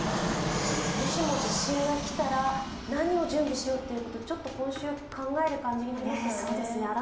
もしも地震がきたら何を準備しようということちょっと今週、考える感じになりましたよね。